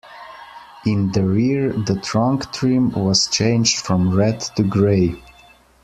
In the rear, the trunk trim was changed from red to gray.